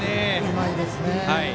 うまいですね。